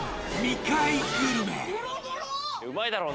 うまいだろうな。